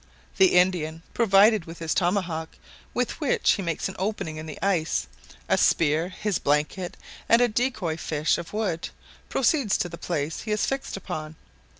The Indian, provided with his tomahawk, with which he makes an opening in the ice, a spear, his blanket, and a decoy fish of wood, proceeds to the place he has fixed upon.